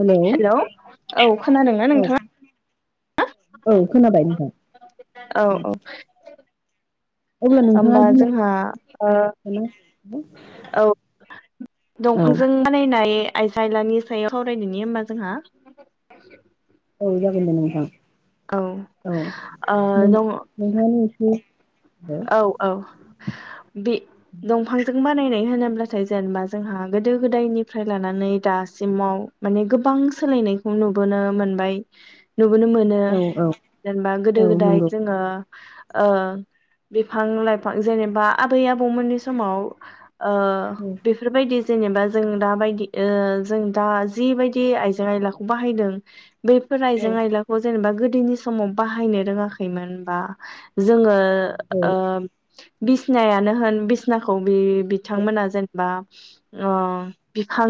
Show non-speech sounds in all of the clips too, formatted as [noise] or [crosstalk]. Hello hello औ खोनादोंना औ नोंथाङा औ खोनाबाय नोंथां औ औ अब्ला नोंथाङा होमबा जोंहा ओ दिनै औ औ दंफांजों बानायनाय आइजो आयलानि सायाव सावरायदोनि होमबा जोंहा औ जागोन दे नोंथां औ औ ओ न' दं नोंहाय [inaudible] औ औ बे दंफांजों बानायनाय होनोबा। होनब्लाथाय जेनेबा जोंहा गोदो गोदायनिफ्राय लानानै दासिमाव माने गोबां सोलायनायखौ नुबोनो मोनबाय। नुबोनो मोनो औ औ जेनबा औ गोदो गोदाय नंगौ जोङो ओ बिफां लाइफां जेनोबा आबै आबौमोननि समाव औ बेफोरबायदि। जेनेबा जों दा बायदि ओ जों दा जिबायदि आइजें आयलाखौ बाहायदों बेफोर औ आइजें आयलाखौ जेनेबा गोदो। उन्दैनि समाव बाहायनो रोङाखैमोन बा जोङो औ ओ। बिसनायानो होन बिसनाखौ बि बिथांमोना जेनोबा ओ बिफां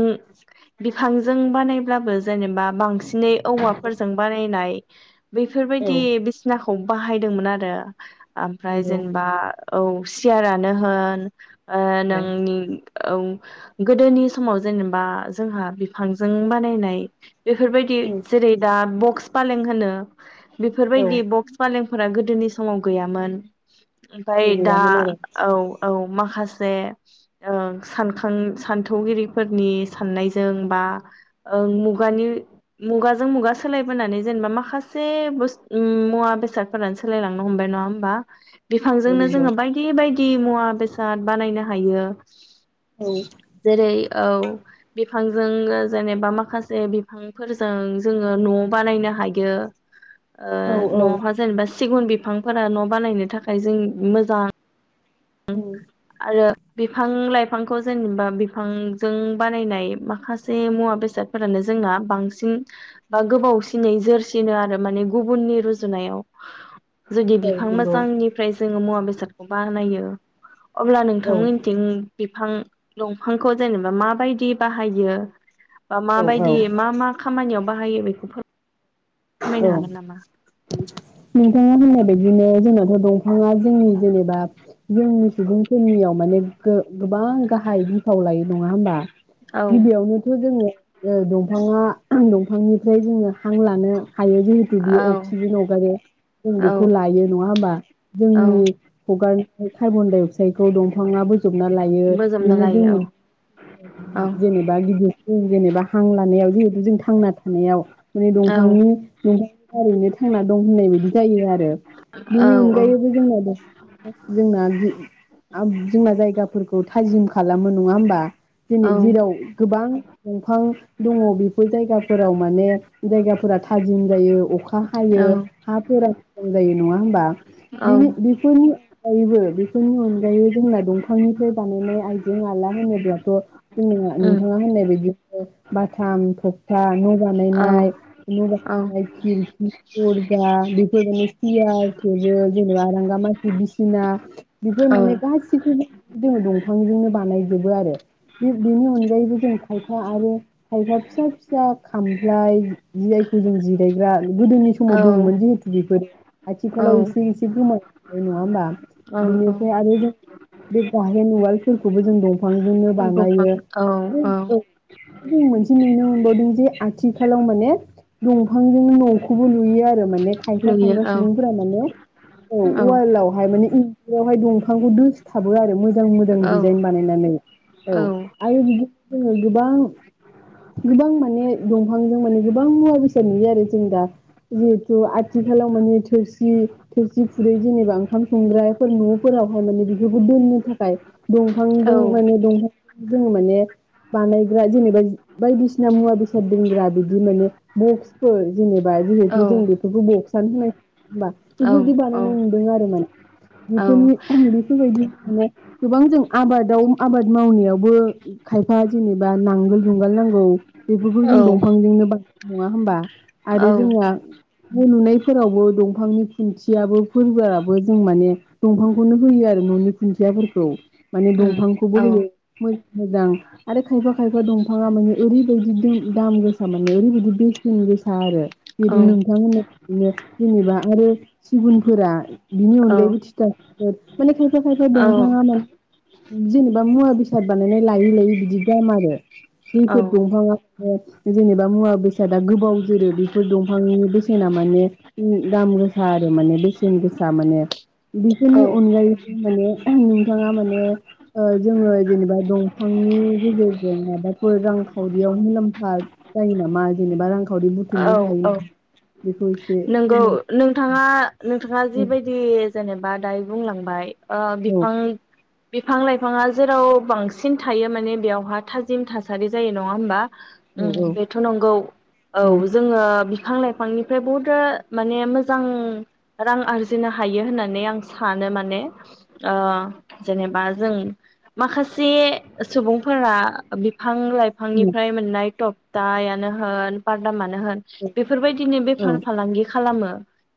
बिफांजों बानायब्लाबो जेनेबा बांसिनै औवाफोरजों बानायनाय। [inaudible] नंगौ बेफोरबायदि बिसिना खौ बाहायदोंमोन आरो ओमफ्राय जेनोबा। औ सियारानो होन। ओ औ नोंनि औ गोदोनि समाव जेनोबा जोंहा बिफांजों बानायनाय बेफोरबायदि औ जेरै दा बक्स फालें होनो। बेफोरबायदि बक्स फालें। फोरा गोदोनि समाव गैयामोन। ओमफाय दा गैयामोन आरो औ औ माखासे सानखां सान्थौगिरिफोरनि साननायजों बा मुगानि मुगाजों मुगा सोलायबोनानै जेनोबा माखासे मुवा बेसादफोरानो सोलायलांनो हमबाय नङा होमबा‌। [inaudible] औ बिफांजोंनो नंगौ जोङो बायदि बाय मुवा बेसाद बानायनो हायो। औ जेरै औ बिफांजों जेनोबा माखासे बिफांफोरजों जोङो न' बानायनो हायो। ओ औ औ नहा जेनेबा सिगुन बिफांफोरा न' बानायनो थाखाय जों मोजां औ आरो बिफां लाइफांखौ जेनेबा बिफांजों बानायनाय माखासे मुवा बेसादफोरानो जोंना बांसिन बा गोबावसिनै जोरसिनो आरो माने गुबुननि रुजुनायाव जुदि बिफां नंगौ मोजांनिफ्राय जोङो मुवा बेसादखौ बाहानायो अब्ला औ नोंथांमोनथिं बिफां दंफांखौ जेनेबा माबायदि बाहायो बा मा औ बायदि मा मा खामानियाव बाहायो बेखौ फोर औ नोंथाङा होननाय बिदिनो जोंनाथ' दंफाङा जोंनि जेनेबा जोंनि सुबुंफोरनियाव माने गोबां गाहाय बिफाव लायो नङा होमबा औ गिबियावनोथ' जोङो ओ दंफाङा दंफांनिफ्राय जोङो हां लानो हायो जिहेतु बियो औ अक्सिजेन हगारो जों बेखौ औ लायो नङा होमबा औ जोंनि हगारनाय कार्बन डाइ अक्साइडखौ दंफ थाङाबो जोबना लायो बोजबना बेनो लायो जोंनि औ औ जेनेबा गिदिर जों जेनेबा हां लानायाव जिहेथु जों थांना थानायाव माने औ दंफांनि दंफांनि थारैनो थांना दं होननाय बायदि जायो आरो औ बिनि औ अनगायैबो जोंना दा जोंना गि आबुंनाय जायगाफोरखौ थाजिम खालामो नङा होमबा। दिनै जेराव औ गोबां दंफां दङ बेफोर जायगाफोराव माने जायगाफोरा थाजिम जायो अखा हा हायो औ हाफोरा मोजां नङा होमबा औ बिनि बेफोरनि अगायबो बेफोरनि अनगायैबो जोंना दंफांनिफ्राय बानायनाय आइजें आइला होनोब्लाथ' जोंना उम नोंथाङा होननाय बायदि बाथाम थकथा न' औ बानायनाय औ [unintelligible] दरजा बेफोर माने सियार थेबोल जेनेबा आरांगा मासि बिसिना बिफोर औ माने गासिखौबो जोङो दंफांजोंनो बानायजोबो आरो बे बेनि अनगायैबो जों खायफा आरो खायफा फिसा फिसा खामफ्लाय। जियाखौ जों जिरायग्रा गोदोनि समाव औ दंमोन जिहेथु बेफोर औ आथिखालाउ ऐसे ऐसे गोमालां बाय नङाओमबा? औ औ बिनिफाय आरो जों बे गाहेन उवालफोरखौबो जों दंफां नो दंफां बानायो औ बे औ। जों मोनसे नुनो मोनबायदि जे आथिखालाव माने दंफांजों न'खौबो लुयो आरो माने खाायफा लुयो खायफा औ सुबुंफोरा माने औ उवालावहाय मानि इनजुराव हाय दंफांखौ दोसथाबो आरो मो जों मोजां औ दिजाइन बानायनानै औ आरो बिदिनो जोङो गोबां गोबां माने दंफांजों माने गोबां मुवा बेसाद नुयो आरो जों दा जिहेथु आथिखालाव माने थोरसि थोरसि खुरै जेनेबा ओंखाम संग्राफोर न'फोरावहाय माने बिखोबो दोननो थाखाय दंफांजों औ माने दंफां जोङो माने बानायग्रा जेनेबा जे बायदिसिना मुवा बेसाद दोनग्रा बिदि माने बक्सफोर जेनेबा औ जिहेथु जों बेफोरखौ बक्सान होनाय बा बेफोरदि बानायनाय नुदों आरो माने बेफोरनि बेफोरबायदि माने गोबां जों आबादाव आबाद मावनायावबो खायफा जेनेबा नांगोलजुं गाल नांगौ बेफोरखौ जों औ दफांजोंनो बन नङा होमबा आरो औ औ जोंहा बो नुनायफोरावबो दंफांनि खुन्थियाबो फोरबोआबो जों माने दंफांखौनो होयो आरो न'नि खुन्थियाफोरखौ माने उम दंफांखौबो औ होयो मोन मोजां आरो खायफा खायफा दं फाङा माने ओरैबायदि दों दाम गोसा माने ओरैबायदि बेसेन गोसा आरो बेदि औ नोंथांमोना नो जेनेबा आरो सिगुनफोरा बिनि अनगायैबो थिथाफोर माने खायफा खायफा दंफाङा मान जेनेबा मुवा बेसाद बानायनाय लायै लायै बिदि दाम आरो। औ जोयफोर दंफाङा माने जेनेबा मुवा बेसादा गोबाव जोरो बेफोर दंफांनि बेसेना माने दाम गोसा आरो माने बेसेन गोसा माने बेफोरनि अनगायैबो माने नोंथाङा माने ओ जोङो जेनेबा दंफांनि गेजेरजों मन बाफोर रांखावरियाव मुलाम्फा जायो नामा जेनेबा रांखा हदिनो खुंनो औ हायो औ बेखौ एसे नोंगौ फोरमाय नोंथाङा नो थांङा जिबायदि जेनेब बा दायो बुंलांबाय। ओ औ बिफां बिफां लाइफाङा जेराव बांसिन थायो माने बेयावहा थाजिम थासारि जायो नङा होमबा? औ उम बेथ' नंगौ औ जोङो बिफां लाइ फांनिफ्राय बहुद सो माने मोजां रां आरजिनो हायो होननानै आं सानो माने ओ जेनेबा जों माखासे सुबुंफोरा बि फां लाइफांनिफ्राय मोननाय थफ दायानो होन फारदा माने होन बेफोरबायदिनो औ बेफार खालामो।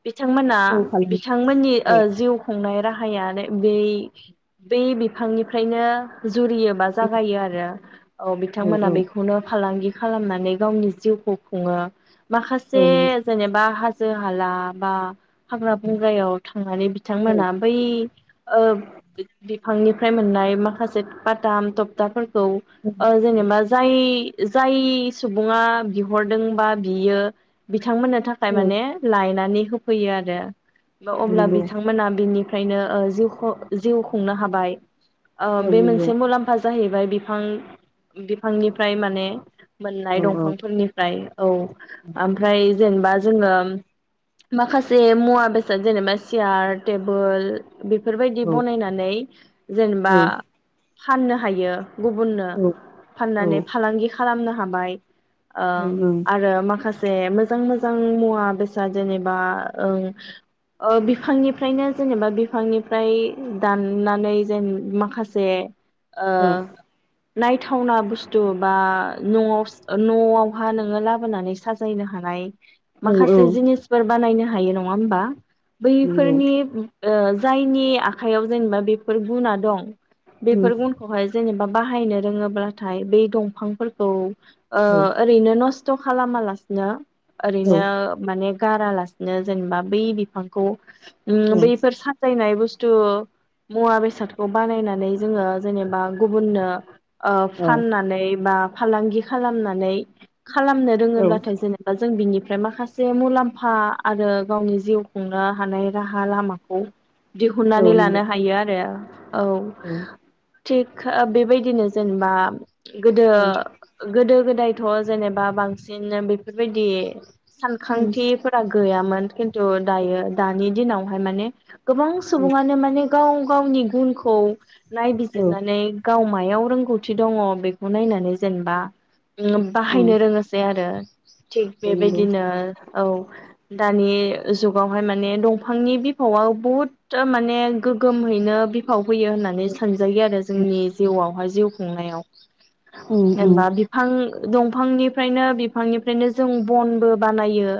बिथांमोना औ खालामो बिथांमोननि ओ जिउ खुंनाय रा [inaudible] बे बिफांनिफ्रायनो जुरियोबा जागायो आरो औ बिथांमोना औ औ बेखौनो फालांगि खालामनानै गावनि जिउखौ खुङो। औ माखासे नंगौ हाजो हाला बा हाग्रा बंग्रायाव थांनानै औ बिथांमोना बै। ओ बिफांनिफ्राय मोननाय माखासे बाताम तबथाफोर जेनेबा जाय जाय सुबुङा बिहरदों बा बियो बिथांमोनो थाखाय औ माने लायनानै होफैयो आरो अब्ला नंगौ बिथांमोना बिनि। ओमफ्रायनो जि जिउ खुंनो हाबाय ओं औ बे नंगौ मोनसे मुलाम्फा जाहैबाय बिफां बिफांनिफ्राय माने मोननाय औ दंफांफोरनिफ्राय औ आमफ्राय जेनेबा जोङो माखासे मुवा बेसाद जेनेबा सियार टेबोल बेफोरबायदि औ बनायनानै जेनेबा फाननो हायो। गुबुननो औ औ फाननानै फालांगि खालाम खालामनो हाबाय। ओं आरो माखासे। दे मोजां मो मोजां मुवा बेसाद जेनेबा बिफांनिफ्रायनो जेनेबा बिफांनिफ्राय दाननानै जेन माखासे ओ ओं औ नायथावना बुस्थु बा न'आव न'आवहा नोङो लाबोनानै साजायनो हानाय औ माखासे औ जिनिसफोर बानायनो हायो नङा होमबा? नंगौ बैफोरनि जायनि आखाइयाव जेनेबा बेफोर गुना दं। उम बेफोर गुनखौहाय जेनेबा बाहायनो रोङोब्लाथाय बै दंफांफोरखौ ओ औ ओरैनो नस खस्थ' खालामालासिनो औ ओरैनो ओं माने गारालासिनो जेनेबा बै बिफांखौ उम औ बैफोर साजायनाय बु बुस्थु मुवा बेसादखौ बानायनानै जोंङो जेनेबा गुबुननो ओ औ फाननानै बा फालांगि खालामनानै खालामनो नंगौ औ रोङोब्लाथाय जेने जों बिनिफ्राय माखासे मुलाम्फा आरो गावनि जिउ खुंनो हानाय राहा लामाखौ औ दिहुननानै उम उम औ लानो ओं हायो आरो। औ थिग बेबायदिनो जेनेबा गोदो गोदो गोदायथ' जेनेबा बांसिनो बे बेफोरबायदि सानखांथिफोरा गैया मान थ' दायो दानि दिनाव माने गोबां सुबुङानो माने गाव गावनि गुनखौ नायबिजिरनानै गाव मायाव रोंगौथि दंङ बेखौ नायनानै जेनेबा औ बाहायनो रोङोसैआरो। थिग नंगौ बेबायदिनो औ दानि जुगावहाय माने दंफांनि बिफावआ बहुद माने गोगोमहैनो बिफाव फैयो होननानै सानजायोआरो जोंनि जिउआवहाय जिव खुंनायाव उम जेनबा उम बिफां। दंफांनिफ्रायनो बिफांनि जोंनो जों बनबो बानायो।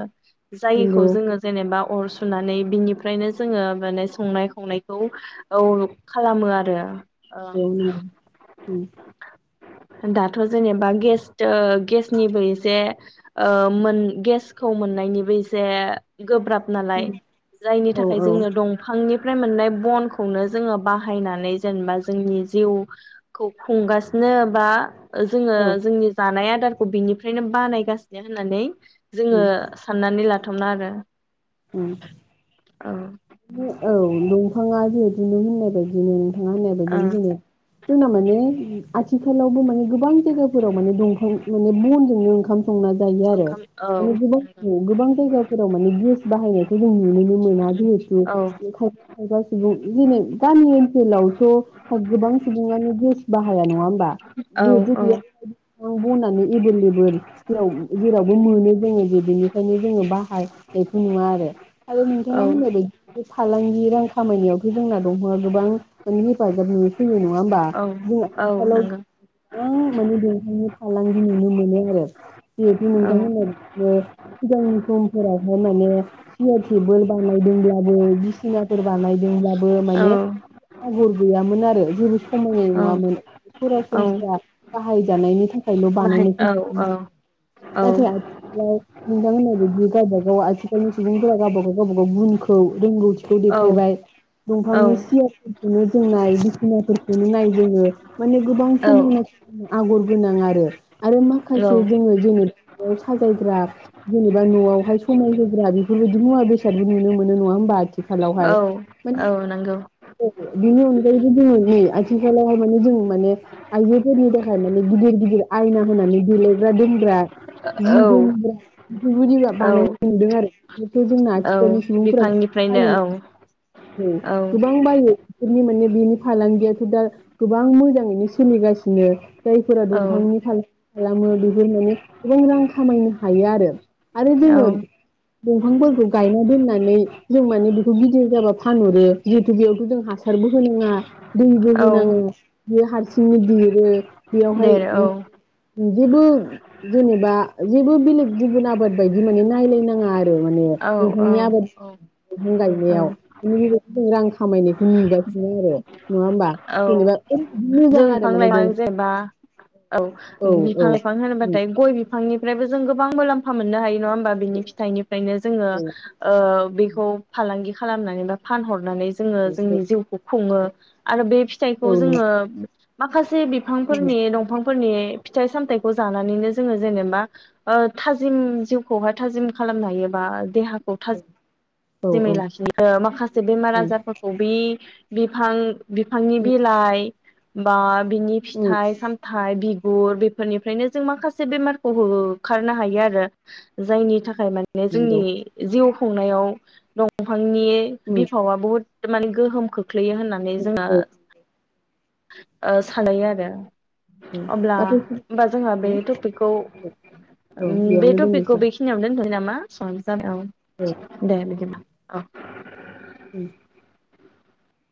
जायखौ नंगौ जोङो जेनेबा अर सुनानै बिनिफ्रायनो जोङो माने संनाय खावनायखौ औ खालामो आरो ओं [unintelligible] दाथ' जेनेबा गेस ओ गेसनिबो एसे ओ मोन गेसखौ मोननायनिबो एसे गोब्राब नालाय उम जायनि औ थाखाय औ जोंनो दंफांनि फ्राय मोननाय बनखौनो जोङो बाहायनानै जेनेबा जोंनि जिउ खौ खुंगासिनो बा ओ जोङो औ जोंनि जानाया आद दारखौ बेनिफ्रायनो बानायगासन [unintelligible] होन्नानै जोङो उम साननानै ला बुथुमना आरो। ओं औ ओ औ नंगौ। बिफाङा जिहेतु नों होननाय बायदिनो थाङा होननाय बायदिनो ओं जोङो जोंना माने उम आथिखालावबो माने गोबां जायगाफोराव माने दंफां माने बनजों ओंखाम संना जायो आरो ओंखाम औ माने गोबां जायगाफ जेराव माने गेस बाहाययै जों नुनोनो मोना जिहेतु औ बिनखाय खाबा सुबुं जेने गामि ओनसोलावथ' गोबां सुबुङानो गेस बाहाया नङा होमबा औ बिदि गैया औ बनानो एबोललेबोल जेराव जेरावबो मोनो जोङो जे बिनिखायनो जोङो बाहाय खै द नङा आरो आरो नोंथाङा औ होननाय बायदि फालांगि रां खामानियावथ' जोंना दंफांआ गोबां माने हेफाजाब हो होयो नङा होमबा। औ औ [unintelligible] हालौ नंगौ गोबां माने बेनिखायनो फालांगि नुनो मोनो आरो जिहेथु औ नोंथांमोना बि सिगांनि समफोराव माने सियार टेबोल बानायदोंब्लाबो बिसिनाफोर बानायदोंब्लाबो औ माने आगर गैयामोन आरो जेबो समायनाय औ नङामोन औ सरासनस्रा बाहायजानायनि थाखा खायल' बाहाय औ औ बानायनाय [unintelligible] औ नाथाय आथिखालाव नोंथां होनायबादि गावबा गा ग आथिखालनि सुबुंफोरा गावबा गाव गावबा गाव गुनखौ रोंगौथि खौ औ देखायबाय। दंफांनि सियारफोरखोनो जों नाय बिसिनाफोरखौनो नाय जोङो माने गोबां औ समायनासिन आगर गोनां आरो आरो माखासे जोङो जेनेबा न'आव साजायग्रा जेनेबा न'आवहाय स समाय होग्रा बेफोरबायदि मुवा बेसादबो नुनो मोनो नङा होमबा औ आथिखालावहाय माने औ नंगौ बेनि अनगायैबो जोङो नै आथिखालावहाय माने जों माने आयजोफोरनि बो [unintelligible] माने गिदिर गिदिरा आयना होनानै देलेग्रा दोनग्रा जि औ दोनग्रा बिबादि औ बाना नुदों आरो बेखौ जोंना औ आथिखालनि सबुंफोरा बिफांनिफ्रायनो बायो औ औ गोबां बायो बेफोरनि माने बिनि फालांगियाथ' दा गोबां मोजाङैनो सोलिगासिनो जायफोरा औ दंफांनि‌‌ फालांगि खालामो बेफोर माने गोबां रां खामायनो हायो आरो आरो औ गोबोन दंफांफोरखौ गायनो दोननानै जों माने बेखौ गिदिर जाबा फानहरो जिहेथु बेयावथ' जों हासारबो होनाङा। दैबो औ होनाङा बियो हारसिंनो देरो बेयावहाय देर औ जेबो जेनेबा जेबो बेलेग गुबुन आबाद बायदि माने नायलाय [unintelligible] [unintelligible] माने औ नोंथांनि औ आबाद [unintelligible] औ [unintelligible] फां गायनायाव बि [unintelligible] जों रां खामायनायखौ नुगासिनो आरो नङा होमबा? औ जेनेबा मोजां जों आरो बिफां माने दं लाइफां जेनेबा औ औ औ बिफां लाइफां होनोबाथाय गय बिफ बिफांनिफ्रायबो जों गोबां मुलाम्फा मोननो हायो। नङा होनबा बिनि फिथनिफ्रायनो जोङो ओ बेखौ फालांगि खालामनानै बा फानहरनानै जोङो जोंनि जिउखौ खुङो आरो बे फिथाइखौ जोङो माखास से बिफांफोरनि दंफां फोरनि फिथाइ सामथखौ जानानैनो जोङो जेनेबा ओ‌ थाजिम जिउखौहाय थाजिम खालामनो हायो बा देहा अ था औ नंगौ औ जिमै‌ लाखिनो माखासे बेमार औ आजारफोरखौ बे बिफां बिफांनि बिलाइ बा बिनि फिथाइ सामथाइ बि गुर बेफोरनिफ्रायनो जों माखासे बेमारखौ होखारनो हायो आरो जायनि थाख थाखाय माने नंगौ जोंनि जिउ खुंनायाव [unintelligible] आंनि बिफावा बुहुद माने गोहोमखो खोख्लैयो होननानै जोङो औ ओ सानै आरो अब्ला दाथ' होमबा जोंहा बे टपिकखौ औ उम बे बेयावनो टपिकखौ दोननोसै आं बेखिनियावनो दोनथ'नि नामा? औ [unintelligible] [unintelligible] दे बिदिब्ला अ। उम